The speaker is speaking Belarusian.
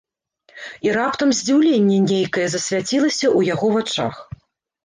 І раптам здзіўленне нейкае засвяцілася ў яго вачах.